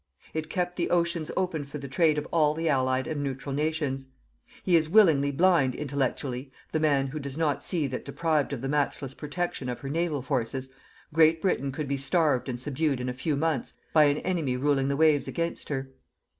It kept the oceans open for the trade of all the Allied and neutral nations. He is willingly blind, intellectually, the man who does not see that deprived of the matchless protection of her naval forces, Great Britain could be starved and subdued in a few months by an enemy ruling the waves against her.